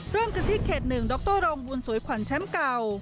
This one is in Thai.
เริ่มกันที่เขต๑ดรรองบุญสวยขวัญแชมป์เก่า